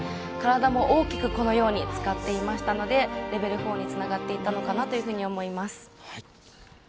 体も大きくこのように使っていましたのでレベル４につながっていたのかなというふうに思います。